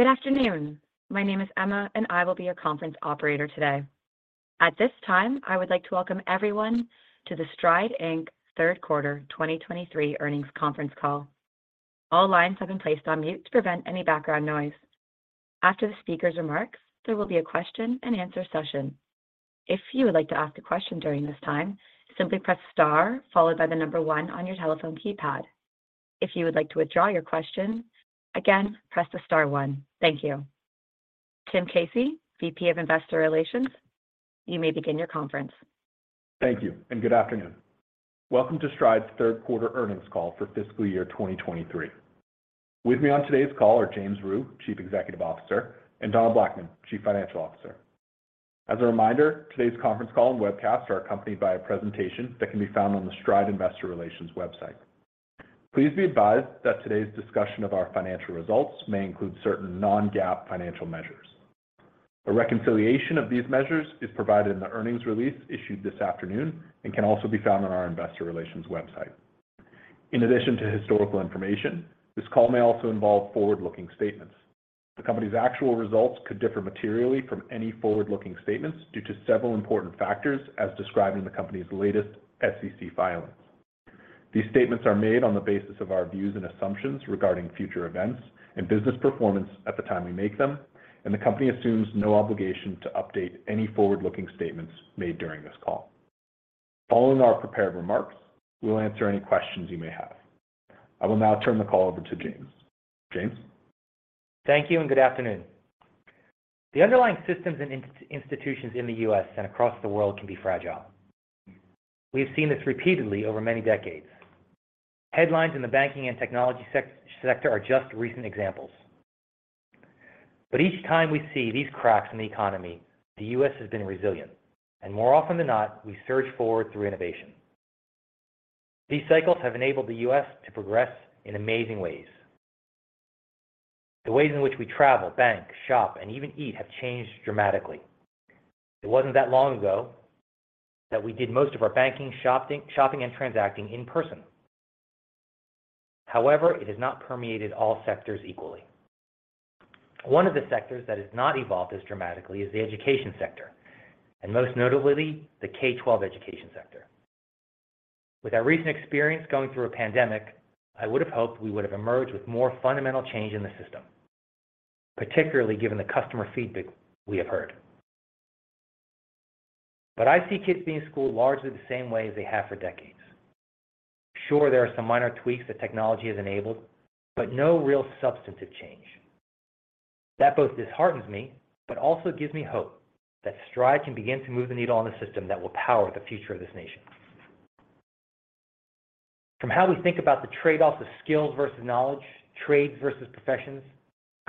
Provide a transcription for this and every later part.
Good afternoon. My name is Emma, I will be your conference operator today. At this time, I would like to welcome everyone to the Stride Inc. Third Quarter 2023 Earnings Conference Call. All lines have been placed on mute to prevent any background noise. After the speaker's remarks, there will be a question and answer session. If you would like to ask a question during this time, simply press star followed by the number one on your telephone keypad. If you would like to withdraw your question, again, press the star one. Thank you. Tim Casey, VP of Investor Relations, you may begin your conference. Thank you and good afternoon. Welcome to Stride's third quarter earnings call for fiscal year 2023. With me on today's call are James Rhyu, Chief Executive Officer; and Donna Blackman, Chief Financial Officer. As a reminder, today's conference call and webcast are accompanied by a presentation that can be found on the Stride Investor Relations website. Please be advised that today's discussion of our financial results may include certain non-GAAP financial measures. A reconciliation of these measures is provided in the earnings release issued this afternoon and can also be found on our investor relations website. In addition to historical information, this call may also involve forward-looking statements. The company's actual results could differ materially from any forward-looking statements due to several important factors as described in the company's latest SEC filings. These statements are made on the basis of our views and assumptions regarding future events and business performance at the time we make them, and the company assumes no obligation to update any forward-looking statements made during this call. Following our prepared remarks, we will answer any questions you may have. I will now turn the call over to James. James. Thank you and good afternoon. The underlying systems and institutions in the U.S. and across the world can be fragile. We have seen this repeatedly over many decades. Headlines in the banking and technology sector are just recent examples. Each time we see these cracks in the economy, the U.S. has been resilient, and more often than not, we surge forward through innovation. These cycles have enabled the U.S. to progress in amazing ways. The ways in which we travel, bank, shop, and even eat have changed dramatically. It wasn't that long ago that we did most of our banking, shopping, and transacting in person. However, it has not permeated all sectors equally. One of the sectors that has not evolved as dramatically is the education sector, and most notably, the K-12 education sector. With our recent experience going through a pandemic, I would have hoped we would have emerged with more fundamental change in the system, particularly given the customer feedback we have heard. I see kids being schooled largely the same way as they have for decades. Sure, there are some minor tweaks that technology has enabled, but no real substantive change. That both disheartens me but also gives me hope that Stride can begin to move the needle on the system that will power the future of this nation. From how we think about the trade-offs of skills versus knowledge, trades versus professions,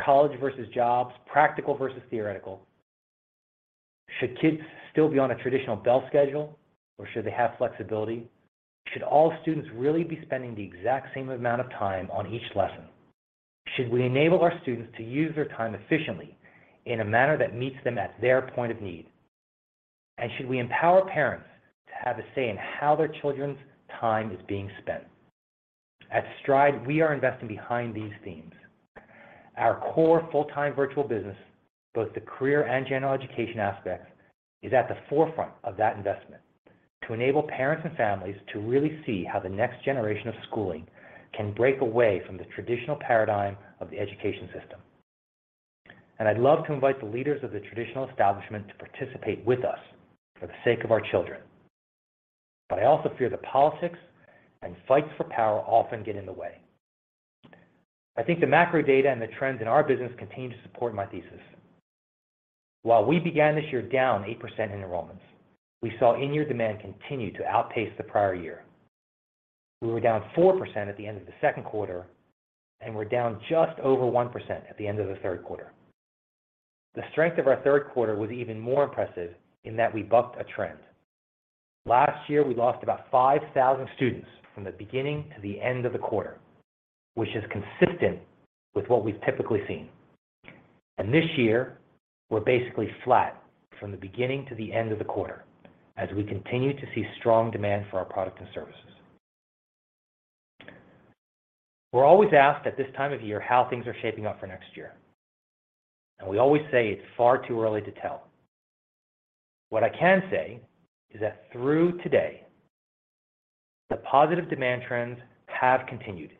college versus jobs, practical versus theoretical. Should kids still be on a traditional bell schedule or should they have flexibility? Should all students really be spending the exact same amount of time on each lesson? Should we enable our students to use their time efficiently in a manner that meets them at their point of need? Should we empower parents to have a say in how their children's time is being spent? At Stride, we are investing behind these themes. Our core full-time virtual business, both the career and General Education aspects, is at the forefront of that investment to enable parents and families to really see how the next generation of schooling can break away from the traditional paradigm of the education system. I'd love to invite the leaders of the traditional establishment to participate with us for the sake of our children. I also fear that politics and fights for power often get in the way. I think the macro data and the trends in our business continue to support my thesis. While we began this year down 8% in enrollments, we saw in-year demand continue to outpace the prior year. We were down 4% at the end of the second quarter, and we're down just over 1% at the end of the third quarter. The strength of our third quarter was even more impressive in that we bucked a trend. Last year, we lost about 5,000 students from the beginning to the end of the quarter, which is consistent with what we've typically seen. This year, we're basically flat from the beginning to the end of the quarter as we continue to see strong demand for our product and services. We're always asked at this time of year how things are shaping up for next year, and we always say it's far too early to tell. What I can say is that through today, the positive demand trends have continued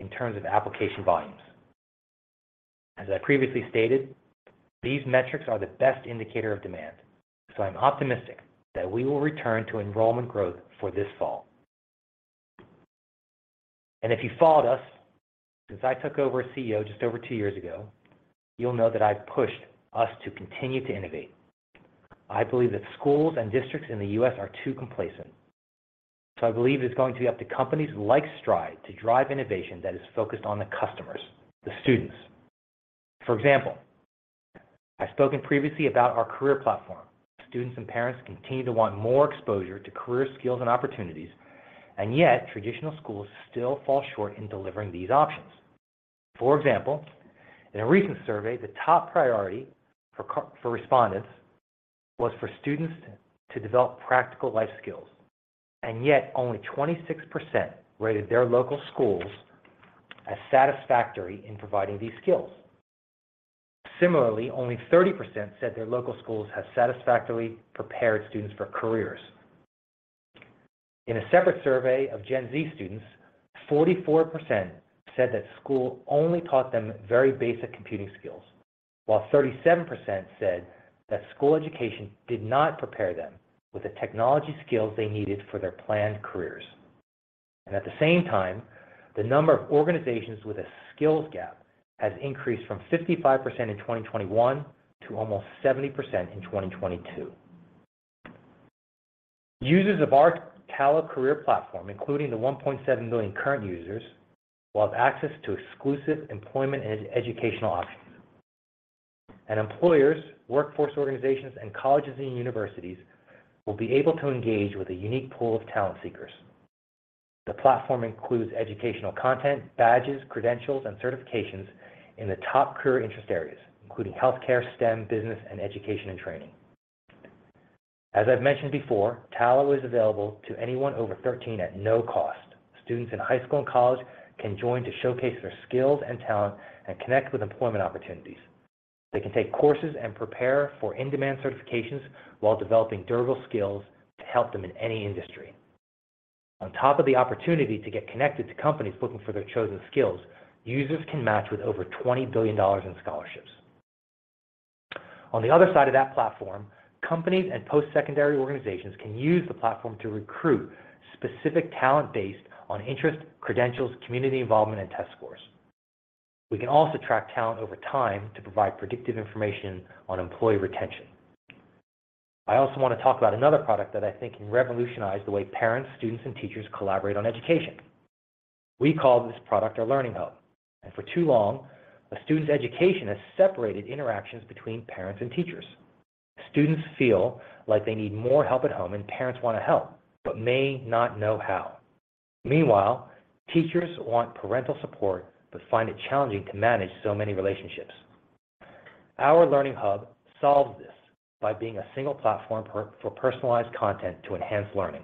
in terms of application volumes. As I previously stated, these metrics are the best indicator of demand, so I'm optimistic that we will return to enrollment growth for this fall. If you followed us since I took over as CEO just over two years ago, you'll know that I've pushed us to continue to innovate. I believe that schools and districts in the U.S. are too complacent. I believe it's going to be up to companies like Stride to drive innovation that is focused on the customers, the students. For example, I've spoken previously about our career platform. Students and parents continue to want more exposure to career skills and opportunities, and yet traditional schools still fall short in delivering these options. For example, in a recent survey, the top priority for respondents was for students to develop practical life skills, and yet only 26% rated their local schools as satisfactory in providing these skills. Similarly, only 30% said their local schools have satisfactorily prepared students for careers. In a separate survey of Gen Z students, 44% said that school only taught them very basic computing skills, while 37% said that school education did not prepare them with the technology skills they needed for their planned careers. At the same time, the number of organizations with a skills gap has increased from 55% in 2021 to almost 70% in 2022. Users of our Tallo career platform, including the 1.7 million current users, will have access to exclusive employment and educational options. Employers, workforce organizations, and colleges and universities will be able to engage with a unique pool of talent seekers. The platform includes educational content, badges, credentials, and certifications in the top career interest areas, including healthcare, STEM, business, and education and training. As I've mentioned before, Tallo is available to anyone over 13 at no cost. Students in high school and college can join to showcase their skills and talent and connect with employment opportunities. They can take courses and prepare for in-demand certifications while developing durable skills to help them in any industry. On top of the opportunity to get connected to companies looking for their chosen skills, users can match with over $20 billion in scholarships. On the other side of that platform, companies and postsecondary organizations can use the platform to recruit specific talent based on interest, credentials, community involvement, and test scores. We can also track talent over time to provide predictive information on employee retention. I also want to talk about another product that I think can revolutionize the way parents, students, and teachers collaborate on education. We call this product our Learning Hub. For too long, a student's education has separated interactions between parents and teachers. Students feel like they need more help at home. Parents want to help, but may not know how. Meanwhile, teachers want parental support but find it challenging to manage so many relationships. Our Learning Hub solves this by being a single platform for personalized content to enhance learning.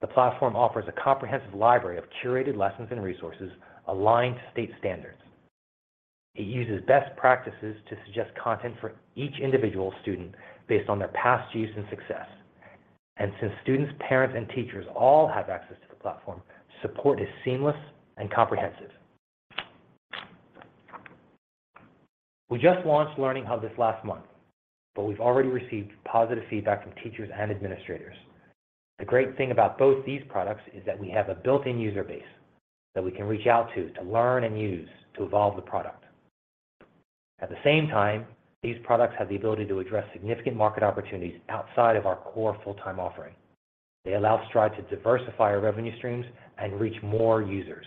The platform offers a comprehensive library of curated lessons and resources aligned to state standards. It uses best practices to suggest content for each individual student based on their past use and success. Since students, parents, and teachers all have access to the platform, support is seamless and comprehensive. We just launched Learning Hub this last month. We've already received positive feedback from teachers and administrators. The great thing about both these products is that we have a built-in user base that we can reach out to to learn and use to evolve the product. These products have the ability to address significant market opportunities outside of our core full-time offering. They allow Stride to diversify our revenue streams and reach more users.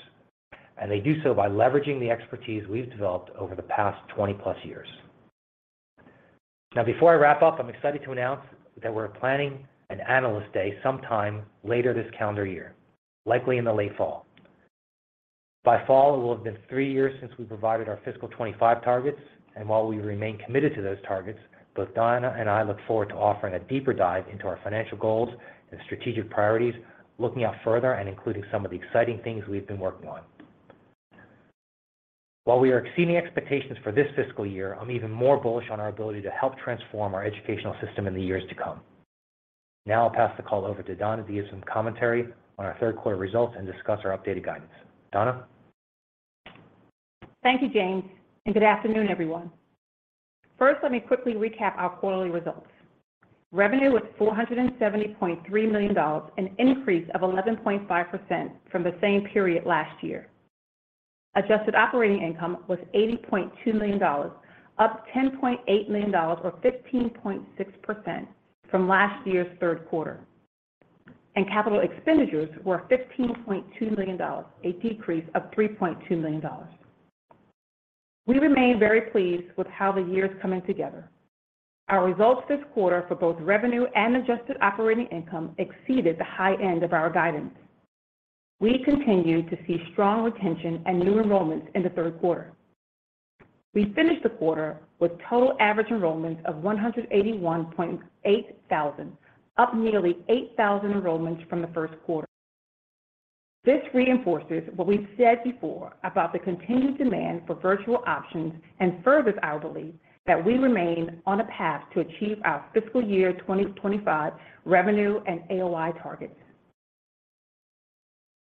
They do so by leveraging the expertise we've developed over the past 20+ years. Before I wrap up, I'm excited to announce that we're planning an Analyst Day sometime later this calendar year, likely in the late fall. By fall, it will have been three years since we provided our fiscal 2025 targets, and while we remain committed to those targets, both Donna and I look forward to offering a deeper dive into our financial goals and strategic priorities, looking out further and including some of the exciting things we've been working on. While we are exceeding expectations for this fiscal year, I'm even more bullish on our ability to help transform our educational system in the years to come. Now I'll pass the call over to Donna to give some commentary on our third quarter results and discuss our updated guidance. Donna? Thank you, James, and good afternoon, everyone. First, let me quickly recap our quarterly results. Revenue was $470.3 million, an increase of 11.5% from the same period last year. Adjusted operating income was $80.2 million, up $10.8 million or 15.6% from last year's third quarter. Capital expenditures were $15.2 million, a decrease of $3.2 million. We remain very pleased with how the year is coming together. Our results this quarter for both revenue and adjusted operating income exceeded the high end of our guidance. We continue to see strong retention and new enrollments in the third quarter. We finished the quarter with total average enrollments of 181,800, up nearly 8,000 enrollments from the first quarter. This reinforces what we've said before about the continued demand for virtual options and furthers our belief that we remain on a path to achieve our fiscal year 2025 revenue and AOI targets.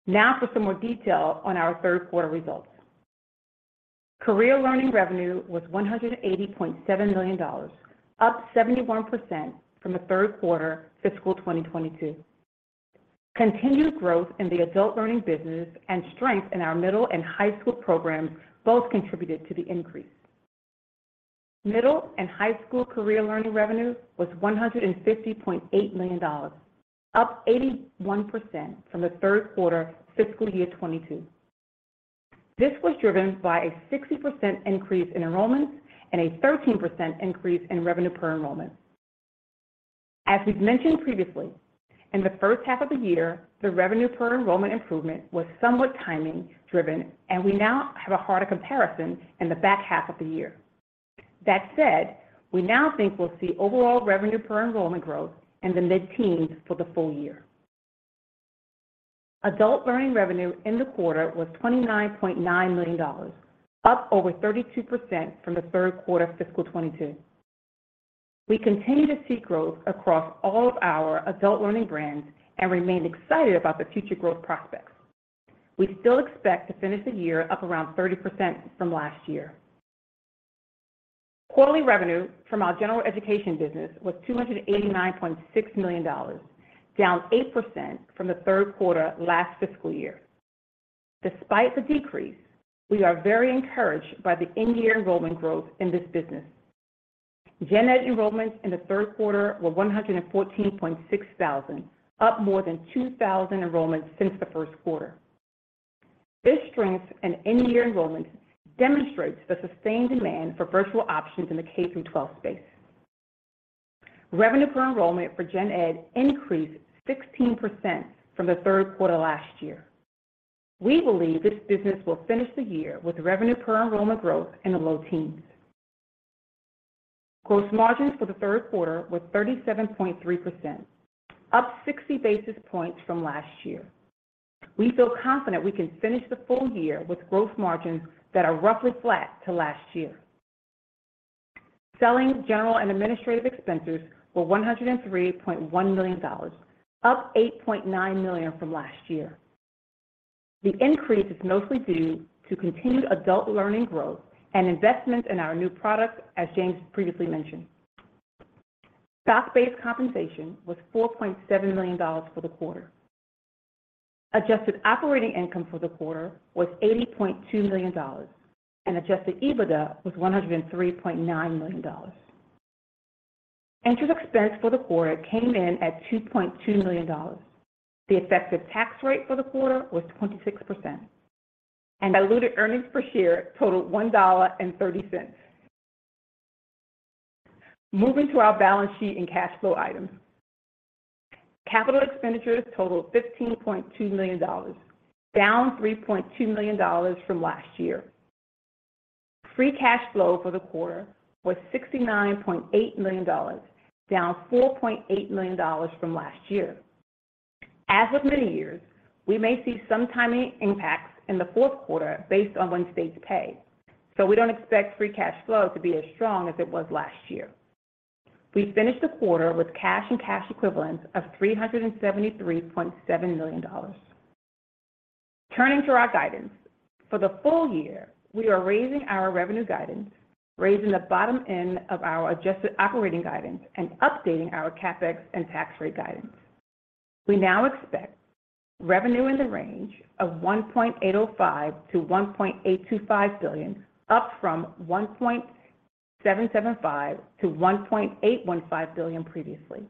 For some more detail on our third quarter results. Career Learning revenue was $180.7 million, up 71% from the third quarter fiscal 2022. Continued growth in the Adult Learning business and strength in our middle and high school programs both contributed to the increase. Middle and high school Career Learning revenue was $150.8 million, up 81% from the third quarter fiscal year 2022. This was driven by a 60% increase in enrollments and a 13% increase in revenue per enrollment. As we've mentioned previously, in the first half of the year, the revenue per enrollment improvement was somewhat timing driven, and we now have a harder comparison in the back half of the year. That said, we now think we'll see overall revenue per enrollment growth in the mid-teens for the full year. Adult Learning revenue in the quarter was $29.9 million, up over 32% from the third quarter of fiscal 2022. We continue to see growth across all of our Adult Learning brands and remain excited about the future growth prospects. We still expect to finish the year up around 30% from last year. Quarterly revenue from our General Education business was $289.6 million, down 8% from the third quarter last fiscal year. Despite the decrease, we are very encouraged by the in-year enrollment growth in this business. Gen Ed enrollments in the third quarter were 114,600, up more than 2,000 enrollments since the first quarter. This strength in in-year enrollment demonstrates the sustained demand for virtual options in the K-12 space. Revenue per enrollment for Gen Ed increased 16% from the third quarter last year. We believe this business will finish the year with revenue per enrollment growth in the low teens. Gross margins for the third quarter were 37.3%, up 60 basis points from last year. We feel confident we can finish the full year with growth margins that are roughly flat to last year. Selling general and administrative expenses were $103.1 million, up $8.9 million from last year. The increase is mostly due to continued Adult Learning growth and investments in our new products, as James previously mentioned. stock-based compensation was $4.7 million for the quarter. Adjusted operating income for the quarter was $80.2 million, and adjusted EBITDA was $103.9 million. Interest expense for the quarter came in at $2.2 million. The effective tax rate for the quarter was 26%, and diluted earnings per share totaled $1.30. Moving to our balance sheet and cash flow items. Capital expenditures totaled $15.2 million, down $3.2 million from last year. Free cash flow for the quarter was $69.8 million, down $4.8 million from last year. As with many years, we may see some timing impacts in the fourth quarter based on when states pay. We don't expect free cash flow to be as strong as it was last year. We finished the quarter with cash and cash equivalents of $373.7 million. Turning to our guidance. For the full year, we are raising our revenue guidance, raising the bottom end of our adjusted operating guidance, and updating our CapEx and tax rate guidance. We now expect revenue in the range of $1.805 billion-$1.825 billion, up from $1.775 billion-$1.815 billion previously.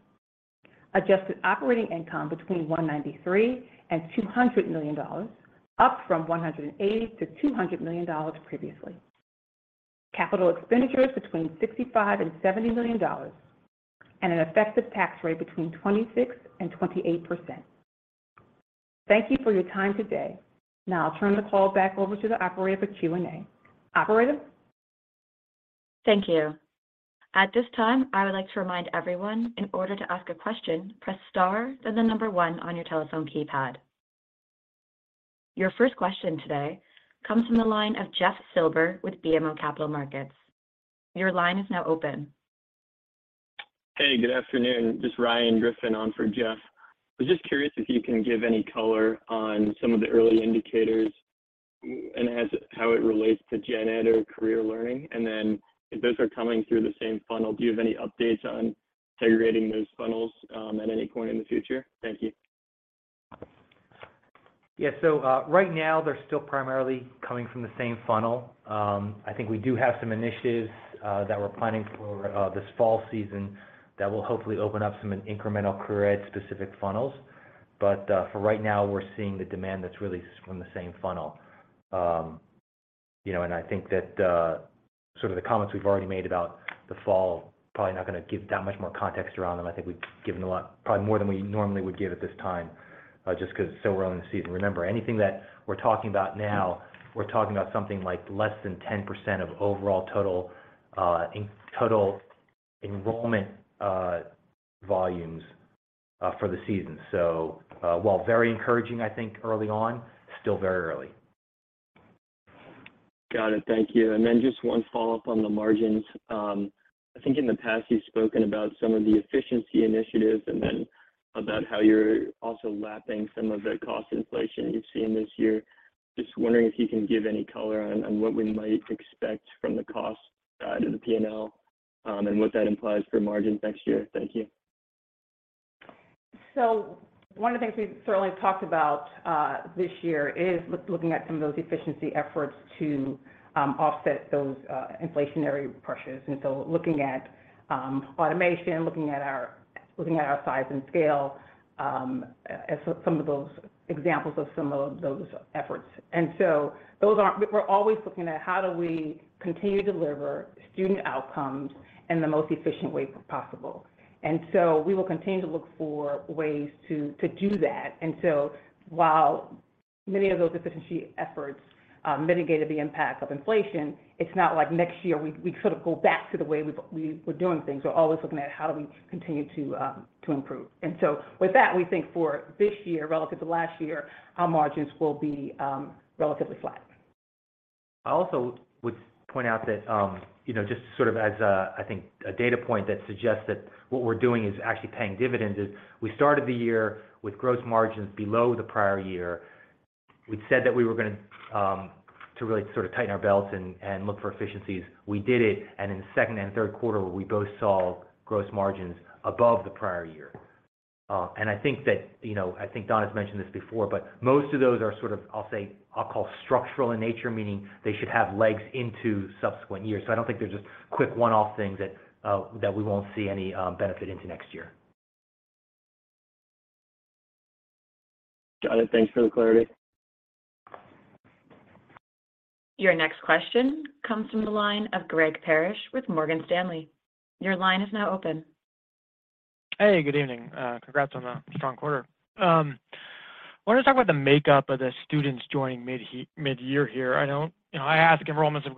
Adjusted operating income between $193 million and $200 million, up from $180 million to $200 million previously. Capital expenditures between $65 million and $70 million, and an effective tax rate between 26% and 28%. Thank you for your time today. Now I'll turn the call back over to the operator for Q&A. Operator? Thank you. At this time, I would like to remind everyone in order to ask a question, press star, then the 1 on your telephone keypad. Your first question today comes from the line of Jeff Silber with BMO Capital Markets. Your line is now open. Hey, good afternoon. This is Ryan Griffin on for Jeff. I was just curious if you can give any color on some of the early indicators how it relates to Gen Ed or Career Learning. If those are coming through the same funnel, do you have any updates on segregating those funnels at any point in the future? Thank you. Yeah. Right now, they're still primarily coming from the same funnel. I think we do have some initiatives that we're planning for this fall season that will hopefully open up some incremental career ed specific funnels. For right now, we're seeing the demand that's really from the same funnel. I think that sort of the comments we've already made about the fall, probably not gonna give that much more context around them. I think we've given a lot, probably more than we normally would give at this time, just 'cause it's so early in the season. Remember, anything that we're talking about now, we're talking about something like less than 10% of overall total enrollment volumes for the season. While very encouraging, I think early on, still very early. Got it. Thank you. Just one follow-up on the margins. I think in the past you've spoken about some of the efficiency initiatives and then about how you're also lapping some of the cost inflation you've seen this year. Just wondering if you can give any color on what we might expect from the cost to the P&L, and what that implies for margins next year. Thank you. One of the things we've certainly talked about, this year is looking at some of those efficiency efforts to offset those inflationary pressures. Looking at automation, looking at our size and scale, as some of those examples of some of those efforts. We're always looking at how do we continue to deliver student outcomes in the most efficient way possible. We will continue to look for ways to do that. While many of those efficiency efforts mitigated the impact of inflation. It's not like next year we sort of go back to the way we were doing things. We're always looking at how do we continue to improve. With that, we think for this year relative to last year, our margins will be relatively flat. I also would point out that, you know, just sort of as a, I think, a data point that suggests that what we're doing is actually paying dividends is we started the year with gross margins below the prior year. We'd said that we were gonna really sort of tighten our belts and look for efficiencies. We did it. In the second and third quarter, we both saw gross margins above the prior year. I think that, you know, I think Donna's mentioned this before, but most of those are sort of, I'll call structural in nature, meaning they should have legs into subsequent years. I don't think there's just quick one-off things that we won't see any benefit into next year. Got it. Thanks for the clarity. Your next question comes from the line of Greg Parrish with Morgan Stanley. Your line is now open. Hey, good evening. Congrats on the strong quarter. Wanted to talk about the makeup of the students joining mid-year here. You know, I ask enrollments have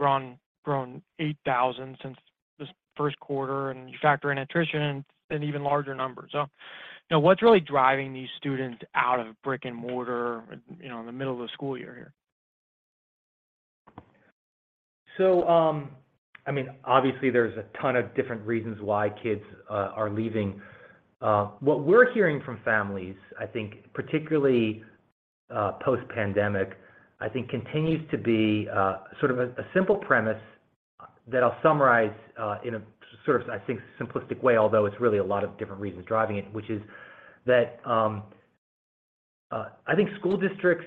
grown 8,000 since this first quarter, and you factor in attrition and it's an even larger number. You know, what's really driving these students out of brick-and-mortar, you know, in the middle of the school year here? I mean, obviously there's a ton of different reasons why kids are leaving. What we're hearing from families, I think particularly post-pandemic, I think continues to be sort of a simple premise that I'll summarize in a sort of, I think, simplistic way, although it's really a lot of different reasons driving it, which is that I think school districts,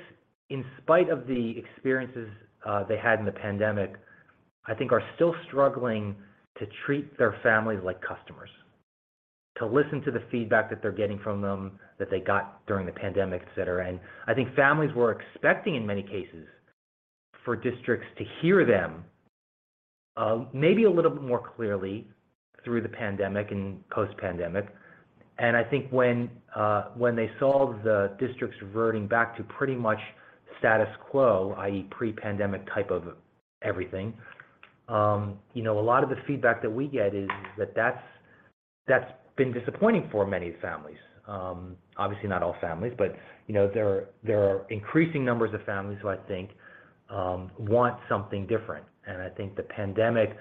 in spite of the experiences they had in the pandemic, I think are still struggling to treat their families like customers, to listen to the feedback that they're getting from them that they got during the pandemic, et cetera. I think families were expecting, in many cases, for districts to hear them maybe a little bit more clearly through the pandemic and post-pandemic. I think when they saw the districts reverting back to pretty much status quo, i.e. pre-pandemic type of everything, you know, a lot of the feedback that we get is that's been disappointing for many families. Obviously not all families, but you know, there are increasing numbers of families who I think want something different. I think the pandemic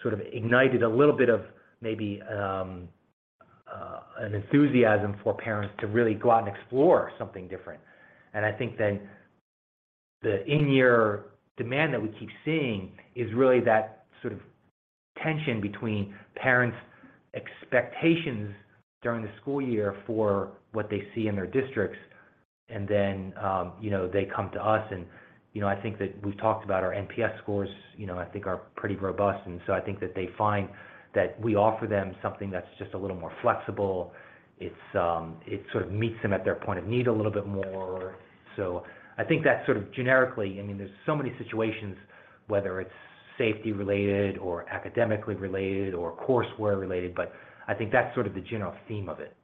sort of ignited a little bit of maybe an enthusiasm for parents to really go out and explore something different. I think that the in-year demand that we keep seeing is really that sort of tension between parents' expectations during the school year for what they see in their districts, and then, you know, they come to us and, you know, I think that we've talked about our NPS scores, you know, I think are pretty robust. I think that they find that we offer them something that's just a little more flexible. It's, it sort of meets them at their point of need a little bit more. I think that sort of generically, I mean, there's so many situations, whether it's safety related or academically related or courseware related, but I think that's sort of the general theme of it.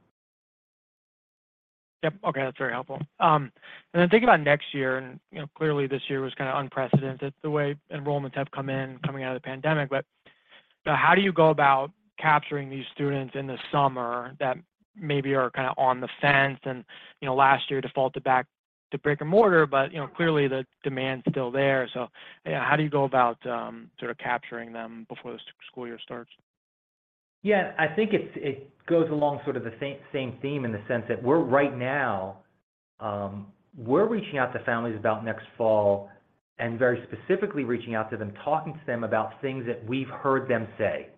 Yep. Okay. That's very helpful. Thinking about next year, and you know, clearly this year was kind of unprecedented the way enrollments have come in coming out of the pandemic, but, you know, how do you go about capturing these students in the summer that maybe are kind of on the fence and, you know, last year defaulted back to brick-and-mortar, but you know, clearly the demand's still there. Yeah, how do you go about sort of capturing them before the school year starts? Yeah. I think it goes along sort of the same theme in the sense that we're right now, we're reaching out to families about next fall and very specifically reaching out to them, talking to them about things that we've heard them say.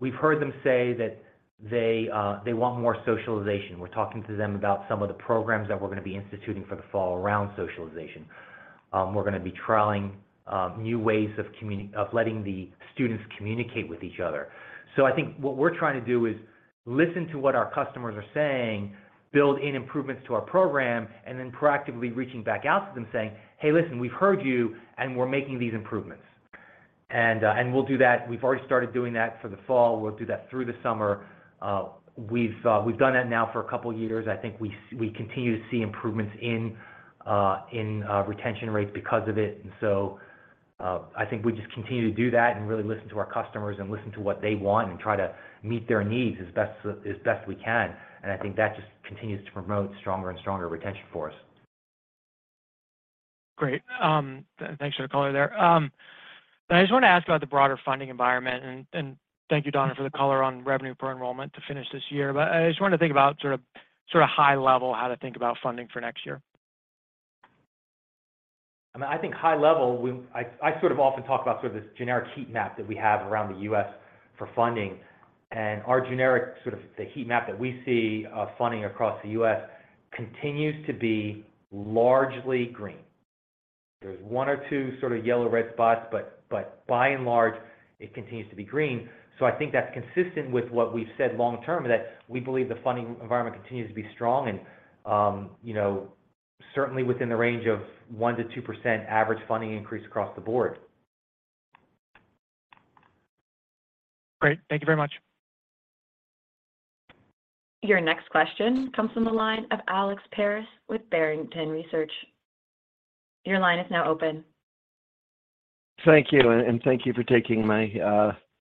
We've heard them say that they want more socialization. We're talking to them about some of the programs that we're gonna be instituting for the fall around socialization. We're gonna be trialing new ways of letting the students communicate with each other. I think what we're trying to do is listen to what our customers are saying, build in improvements to our program, and then proactively reaching back out to them saying, "Hey, listen, we've heard you, and we're making these improvements." And we'll do that. We've already started doing that for the fall. We'll do that through the summer. We've done that now for a couple years. I think we continue to see improvements in retention rates because of it. I think we just continue to do that and really listen to our customers and listen to what they want and try to meet their needs as best we can. I think that just continues to promote stronger and stronger retention for us. Great. Thanks for the color there. I just want to ask about the broader funding environment, and thank you, Donna, for the color on revenue per enrollment to finish this year. I just wanted to think about sort of high level, how to think about funding for next year. I mean, I think high level, I sort of often talk about sort of this generic heat map that we have around the U.S. for funding. Our generic sort of the heat map that we see, funding across the U.S. continues to be largely green. There's one or two sort of yellow-red spots, but by and large, it continues to be green. I think that's consistent with what we've said long term, that we believe the funding environment continues to be strong and, you know, certainly within the range of 1% to 2% average funding increase across the board. Great. Thank you very much. Your next question comes from the line of Alex Paris with Barrington Research. Your line is now open. Thank you, and thank you for taking my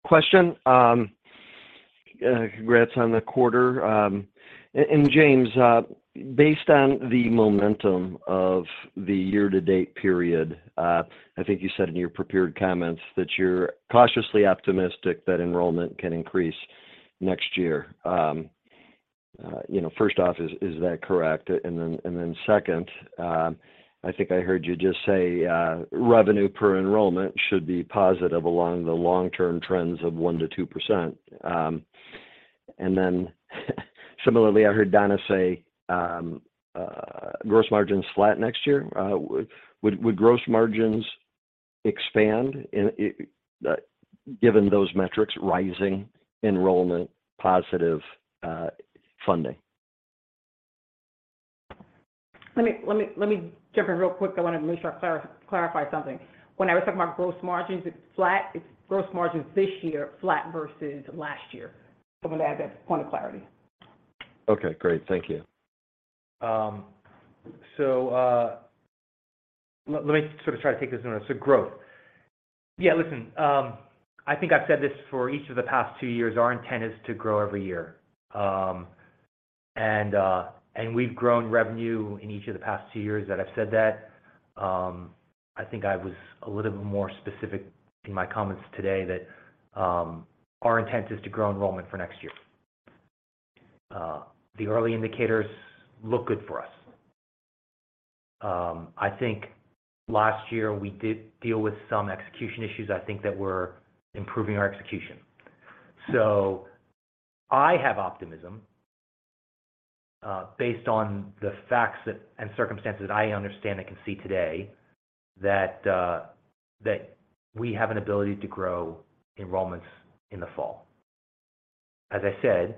question. Congrats on the quarter. James, based on the momentum of the year-to-date period, I think you said in your prepared comments that you're cautiously optimistic that enrollment can increase next year. You know, first off, is that correct? Then second, I think I heard you just say, revenue per enrollment should be positive along the long-term trends of 1%-2%. Then similarly, I heard Donna say, gross margin's flat next year. Would gross margins expand in given those metrics rising enrollment positive funding? Let me jump in real quick. I wanna make sure I clarify something. When I was talking about gross margins, it's flat. It's gross margins this year, flat versus last year. I'm gonna add that point of clarity. Okay, great. Thank you. Let me sort of try to take this one. Growth. Yeah, listen, I think I've said this for each of the past two years. Our intent is to grow every year. We've grown revenue in each of the past two years that I've said that. I think I was a little bit more specific in my comments today that our intent is to grow enrollment for next year. The early indicators look good for us. I think last year we did deal with some execution issues. I think that we're improving our execution. I have optimism, based on the facts that, and circumstances I understand and can see today that we have an ability to grow enrollments in the fall. As I said,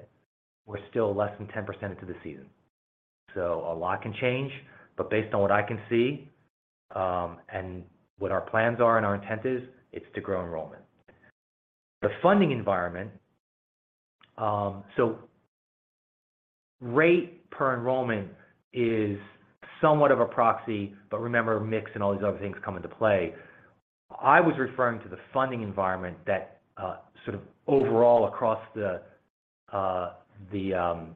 we're still less than 10% into the season, so a lot can change. Based on what I can see, and what our plans are and our intent is, it's to grow enrollment. The funding environment. Rate per enrollment is somewhat of a proxy, but remember mix and all these other things come into play. I was referring to the funding environment that, sort of overall across the, the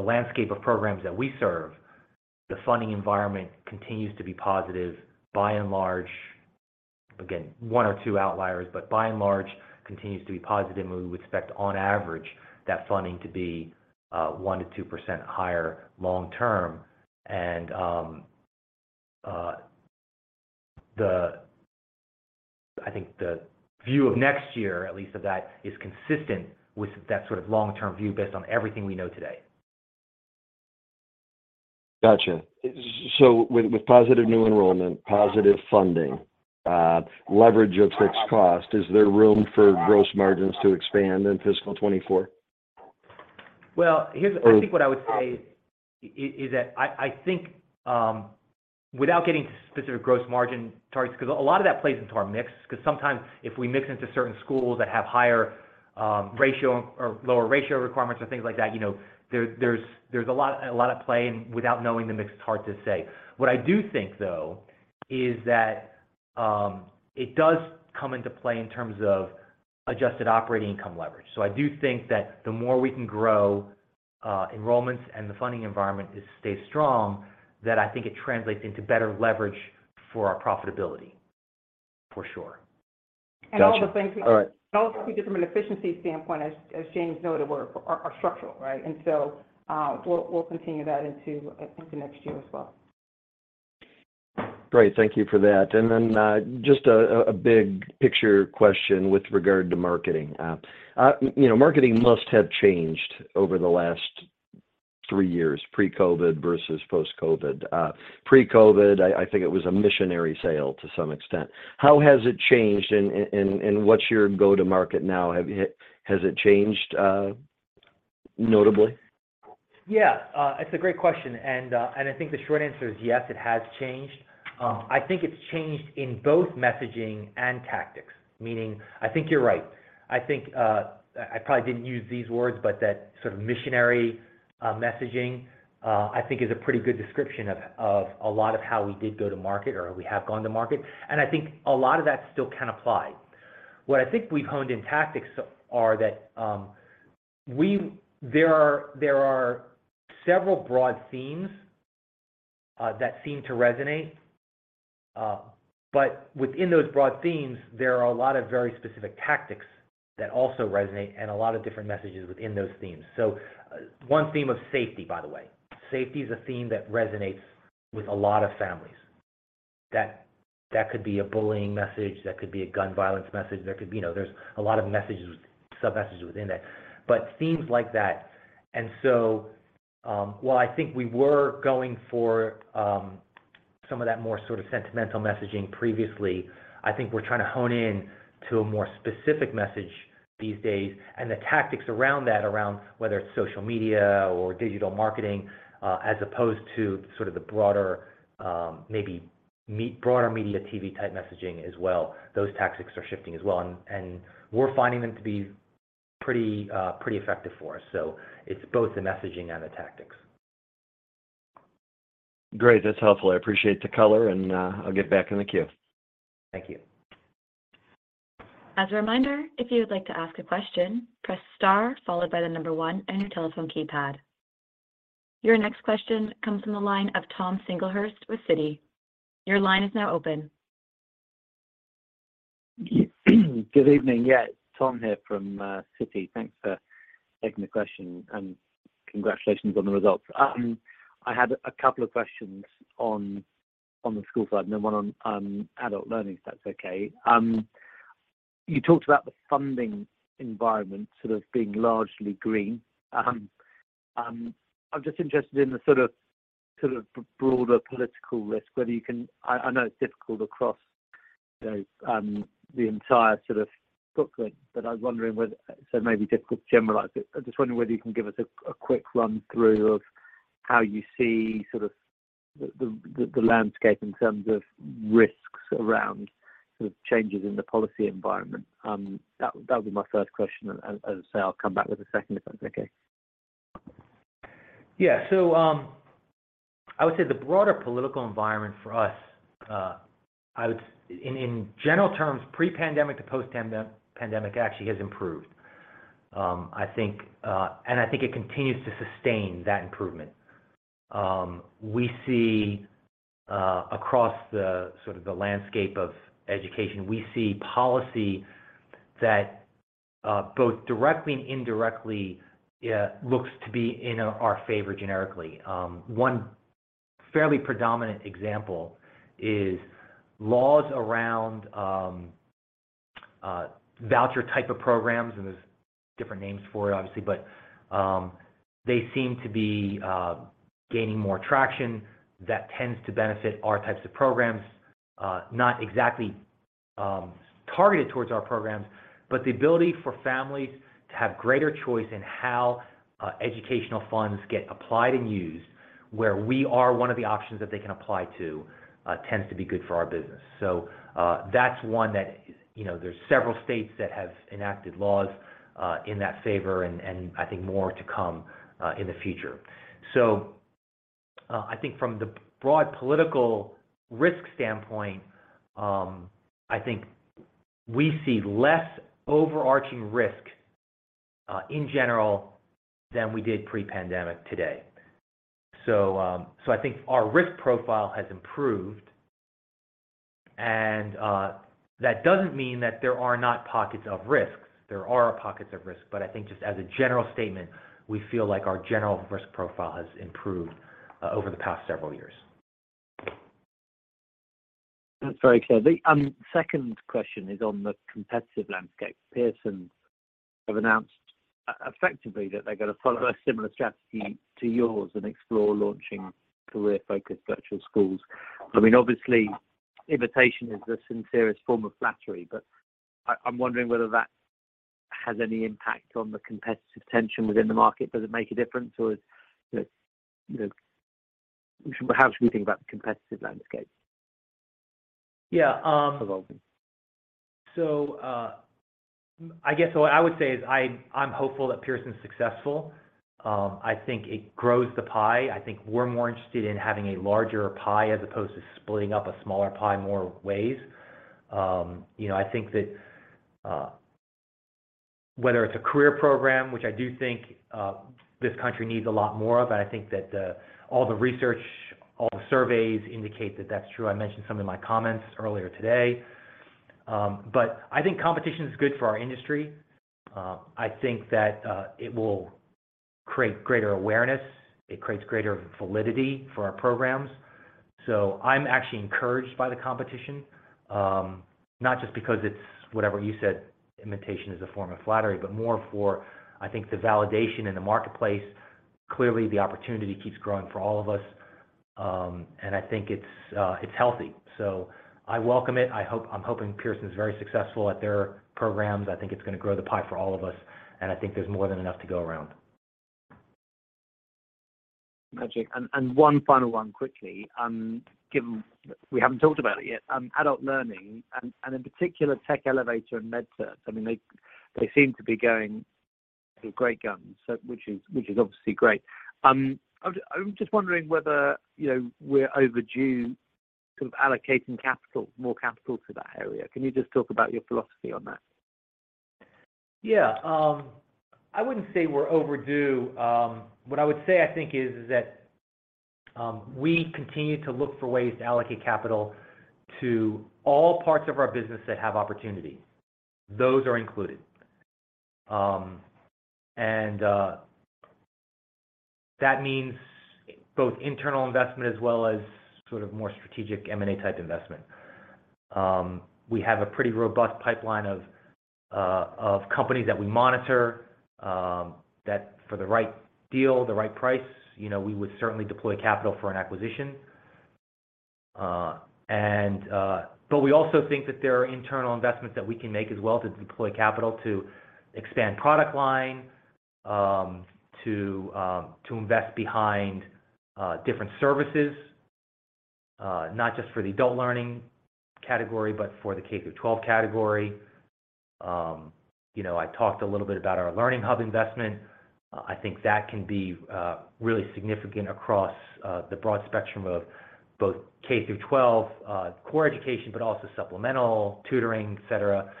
landscape of programs that we serve, the funding environment continues to be positive by and large. Again, one or two outliers, but by and large continues to be positive, and we would expect on average that funding to be 1%-2% higher long term. The, I think the view of next year, at least of that, is consistent with that sort of long-term view based on everything we know today. Gotcha. With positive new enrollment, positive funding, leverage of fixed cost, is there room for gross margins to expand in fiscal 2024? Well, here's what I would say is that I think without getting into specific gross margin targets, 'cause a lot of that plays into our mix. 'Cause sometimes if we mix into certain schools that have higher ratio or lower ratio requirements or things like that, you know, there's a lot at play, and without knowing the mix, it's hard to say. What I do think, though, is that it does come into play in terms of adjusted operating income leverage. I do think that the more we can grow enrollments and the funding environment is, stays strong, that I think it translates into better leverage for our profitability, for sure. Gotcha. All right. All the things we do from an efficiency standpoint, as James noted, are structural, right? We'll continue that into, I think, the next year as well. Great. Thank you for that. Then, just a big picture question with regard to marketing. You know, marketing must have changed over the last three years, pre-COVID versus post-COVID. Pre-COVID, I think it was a missionary sale to some extent. How has it changed and what's your go-to-market now? Has it changed notably? Yeah, it's a great question. I think the short answer is yes, it has changed. I think it's changed in both messaging and tactics. Meaning, I think you're right. I think I probably didn't use these words, but that sort of missionary messaging, I think is a pretty good description of a lot of how we did go to market or we have gone to market, and I think a lot of that still can apply. What I think we've honed in tactics are that, there are several broad themes that seem to resonate, but within those broad themes, there are a lot of very specific tactics that also resonate and a lot of different messages within those themes. One theme of safety, by the way. Safety is a theme that resonates with a lot of families. That could be a bullying message, that could be a gun violence message. There could be, you know, there's a lot of messages, sub-messages within that, but themes like that. While I think we were going for, some of that more sort of sentimental messaging previously, I think we're trying to hone in to a more specific message these days. The tactics around that, around whether it's social media or digital marketing, as opposed to sort of the broader media TV type messaging as well, those tactics are shifting as well. We're finding them to be pretty effective for us. So it's both the messaging and the tactics. Great. That's helpful. I appreciate the color, and I'll get back in the queue. Thank you. As a reminder, if you would like to ask a question, press star followed by the number one on your telephone keypad. Your next question comes from the line of Tom Singlehurst with Citi. Your line is now open. Good evening. Tom here from Citi. Thanks for taking the question, and congratulations on the results. I had a couple of questions on the school side and then one on Adult Learning, if that's okay. You talked about the funding environment sort of being largely green. I'm just interested in the sort of broader political risk, whether you can. I know it's difficult across, you know, the entire sort of booklet, but I was wondering whether so it may be difficult to generalize it. I'm just wondering whether you can give us a quick run through of how you see sort of the landscape in terms of risks around sort of changes in the policy environment. That would be my first question, and as I say, I'll come back with a second, if that's okay. Yeah. I would say the broader political environment for us, in general terms, pre-pandemic to post-pandemic actually has improve and I think it continues to sustain that improvement. We see, across the sort of the landscape of education, we see policy that, both directly and indirectly, looks to be in our favor generically. One fairly predominant example is laws around, voucher type of programs. There's different names for it, obviously. They seem to be gaining more traction that tends to benefit our types of programs. Not exactly, targeted towards our programs, but the ability for families to have greater choice in how educational funds get applied and used, where we are one of the options that they can apply to, tends to be good for our business. That's one that, you know, there's several states that have enacted laws in that favor, and I think more to come in the future. I think from the broad political risk standpoint, I think we see less overarching risk in general than we did pre-pandemic today. I think our risk profile has improved. That doesn't mean that there are not pockets of risks. There are pockets of risk, but I think just as a general statement, we feel like our general risk profile has improved over the past several years. That's very clear. The second question is on the competitive landscape. Pearson have announced effectively that they're gonna follow a similar strategy to yours and explore launching career-focused virtual schools. I mean, obviously, imitation is the sincerest form of flattery, but I'm wondering whether that has any impact on the competitive tension within the market. Does it make a difference, or is it, you know? How should we think about the competitive landscape? Yeah. For both. I guess what I would say is I'm hopeful that Pearson is successful. I think it grows the pie. I think we're more interested in having a larger pie as opposed to splitting up a smaller pie more ways. You know, I think that whether it's a career program, which I do think this country needs a lot more of, and I think that all the research, all the surveys indicate that that's true. I mentioned some in my comments earlier today. I think competition is good for our industry. I think that it will create greater awareness. It creates greater validity for our programs. I'm actually encouraged by the competition, not just because it's whatever you said, imitation is a form of flattery, but more for, I think, the validation in the marketplace. Clearly, the opportunity keeps growing for all of us. I think it's healthy. I welcome it. I'm hoping Pearson is very successful at their programs. I think it's gonna grow the pie for all of us, and I think there's more than enough to go around. Got you. One final one quickly, given we haven't talked about it yet, Adult Learning and, in particular Tech Elevator and MedCerts. I mean, they seem to be going with great guns, which is obviously great. I'm just wondering whether, you know, we're overdue sort of allocating capital, more capital to that area. Can you just talk about your philosophy on that? Yeah. I wouldn't say we're overdue. What I would say I think is that, we continue to look for ways to allocate capital to all parts of our business that have opportunity. Those are included. That means both internal investment as well as sort of more strategic M&A type investment. We have a pretty robust pipeline of companies that we monitor, that for the right deal, the right price, you know, we would certainly deploy capital for an acquisition. We also think that there are internal investments that we can make as well to deploy capital to expand product line, to invest behind different services. Not just for the Adult Learning category, but for the K-12 category. You know, I talked a little bit about our Learning Hub investment. I think that can be really significant across the broad spectrum of both K-12 core education, but also supplemental tutoring, et cetera.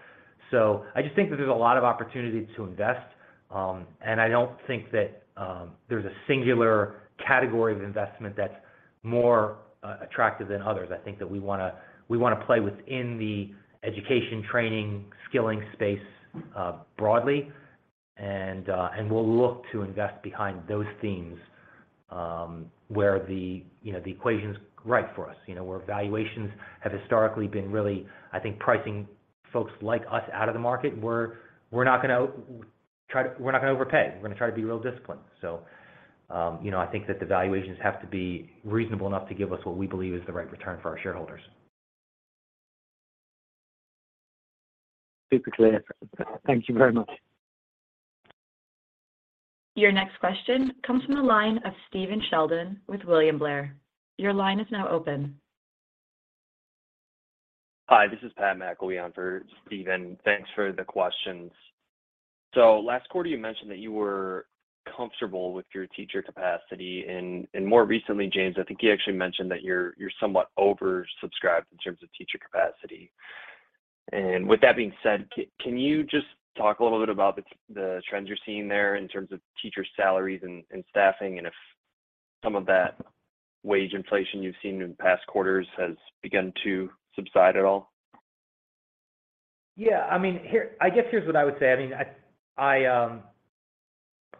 I just think that there's a lot of opportunity to invest, and I don't think that there's a singular category of investment that's more attractive than others. I think that we wanna play within the education training skilling space broadly. We'll look to invest behind those themes, where the, you know, the equation's right for us. You know, where valuations have historically been really, I think, pricing folks like us out of the market. We're not gonna overpay. We're gonna try to be real disciplined. You know, I think that the valuations have to be reasonable enough to give us what we believe is the right return for our shareholders. Super clear. Thank you very much. Your next question comes from the line of Stephen Sheldon with William Blair. Your line is now open. Hi, this is Pat McIlwee for Stephen. Thanks for the questions. Last quarter you mentioned that you were comfortable with your teacher capacity and more recently, James, I think you actually mentioned that you're somewhat oversubscribed in terms of teacher capacity. With that being said, can you just talk a little bit about the trends you're seeing there in terms of teacher salaries and staffing, and if some of that wage inflation you've seen in past quarters has begun to subside at all? Yeah. I mean, here, I guess here's what I would say. I mean,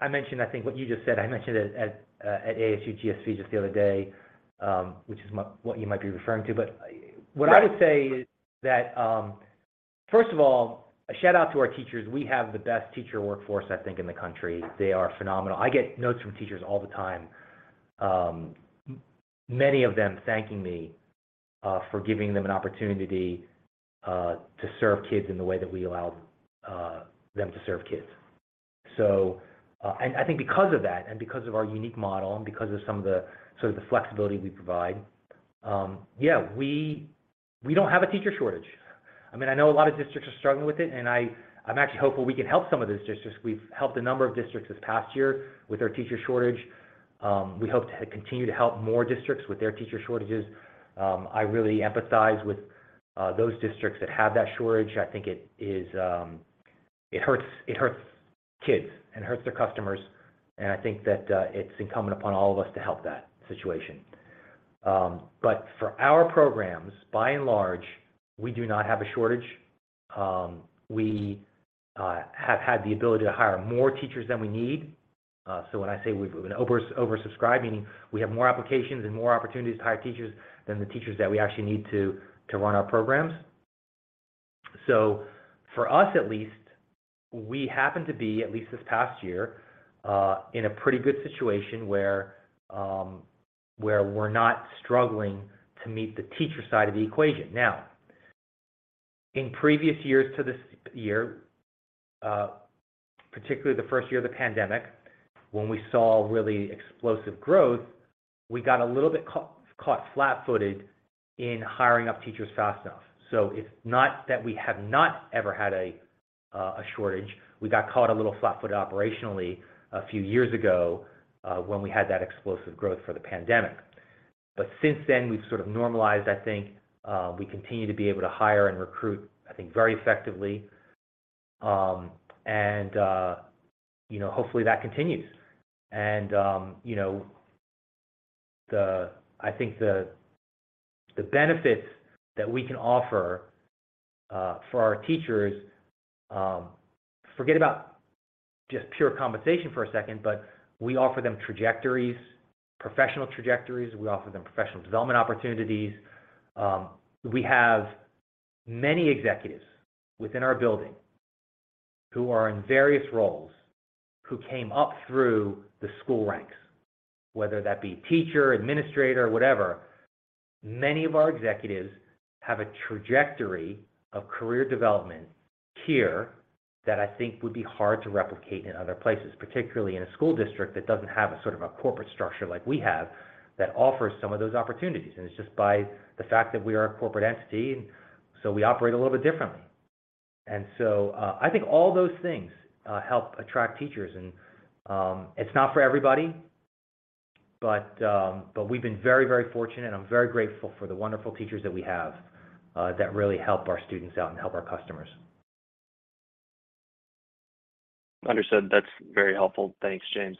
I mentioned I think what you just said, I mentioned it at ASU+GSV just the other day, which is what you might be referring to. What I would say is that, first of all, a shout-out to our teachers. We have the best teacher workforce, I think, in the country. They are phenomenal. I get notes from teachers all the time, many of them thanking me for giving them an opportunity to serve kids in the way that we allow them to serve kids. And I think because of that, and because of our unique model, and because of some of the sort of the flexibility we provide, yeah, we don't have a teacher shortage. I mean, I know a lot of districts are struggling with it, and I'm actually hopeful we can help some of those districts. We've helped a number of districts this past year with their teacher shortage. We hope to continue to help more districts with their teacher shortages. I really empathize with those districts that have that shortage. I think it is. It hurts, it hurts kids, and hurts their customers, and I think that it's incumbent upon all of us to help that situation. For our programs, by and large, we do not have a shortage. We have had the ability to hire more teachers than we need. When I say we've been oversubscribed, meaning we have more applications and more opportunities to hire teachers than the teachers that we actually need to run our programs. For us at least, we happen to be, at least this past year, in a pretty good situation where we're not struggling to meet the teacher side of the equation. In previous years to this year, particularly the first year of the pandemic, when we saw really explosive growth, we got a little bit caught flat-footed in hiring up teachers fast enough. It's not that we have not ever had a shortage. We got caught a little flat-footed operationally a few years ago, when we had that explosive growth for the pandemic. Since then, we've sort of normalized, I think. We continue to be able to hire and recruit, I think, very effectively. And, you know, hopefully that continues. You know, I think the benefits that we can offer for our teachers, forget about just pure compensation for a second, but we offer them trajectories, professional trajectories, we offer them professional development opportunities. We have many executives within our building who are in various roles who came up through the school ranks, whether that be teacher, administrator, whatever. Many of our executives have a trajectory of career development here that I think would be hard to replicate in other places, particularly in a school district that doesn't have a sort of a corporate structure like we have that offers some of those opportunities. It's just by the fact that we are a corporate entity and so we operate a little bit differently. I think all those things help attract teachers and it's not for everybody, but we've been very, very fortunate, and I'm very grateful for the wonderful teachers that we have that really help our students out and help our customers. Understood. That's very helpful. Thanks, James.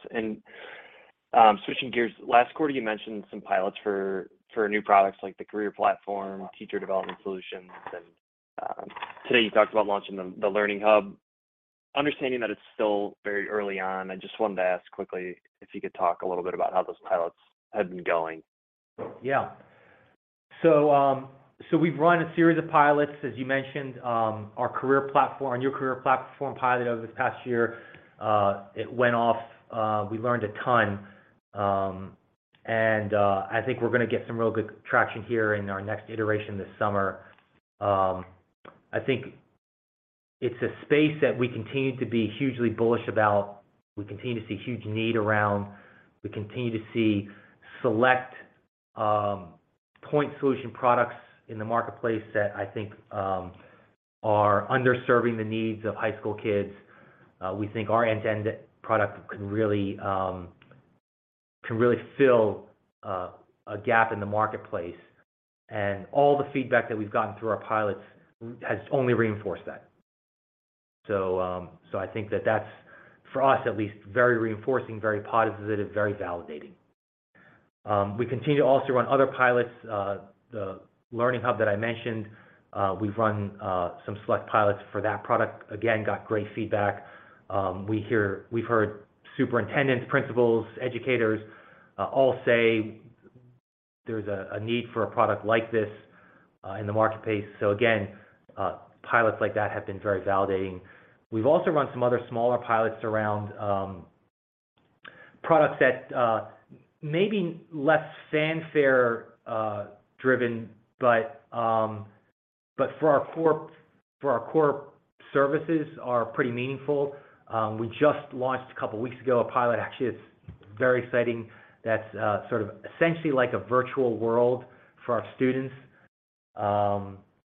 Switching gears, last quarter you mentioned some pilots for new products like the career platform, teacher development solutions, and today you talked about launching the Learning Hub. Understanding that it's still very early on, I just wanted to ask quickly if you could talk a little bit about how those pilots have been going. We've run a series of pilots. As you mentioned, our new career platform pilot over this past year, it went off, we learned a ton, and I think we're gonna get some real good traction here in our next iteration this summer. I think it's a space that we continue to be hugely bullish about. We continue to see huge need around. We continue to see select point solution products in the marketplace that I think are underserving the needs of high school kids. We think our end-to-end product can really fill a gap in the marketplace. All the feedback that we've gotten through our pilots has only reinforced that. I think that that's, for us at least, very reinforcing, very positive, very validating. We continue also to run other pilots, the Learning Hub that I mentioned. We've run some select pilots for that product. Got great feedback. We've heard superintendents, principals, educators, all say there's a need for a product like this in the marketplace. Again, pilots like that have been very validating. We've also run some other smaller pilots around products that may be less fanfare driven, but for our core services are pretty meaningful. We just launched a couple of weeks ago, a pilot, actually, it's very exciting, that's sort of essentially like a virtual world for our students.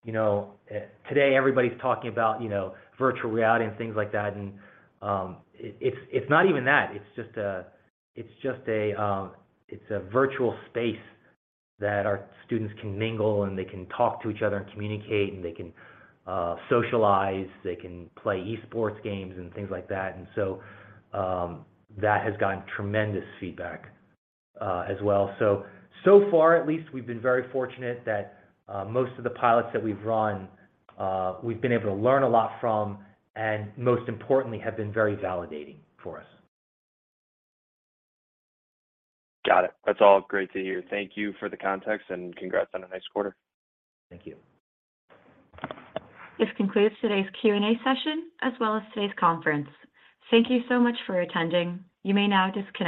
You know, today everybody's talking about, you know, virtual reality and things like that. It's not even that. It's just a virtual space that our students can mingle, and they can talk to each other and communicate, and they can socialize, they can play esports games, and things like that. That has gotten tremendous feedback as well. So far, at least, we've been very fortunate that most of the pilots that we've run, we've been able to learn a lot from, and most importantly, have been very validating for us. Got it. That's all great to hear. Thank you for the context, and congrats on a nice quarter. Thank you. This concludes today's Q&A session, as well as today's conference. Thank you so much for attending. You may now disconnect.